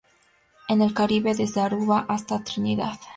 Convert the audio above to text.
En el Caribe desde Aruba hasta Trinidad.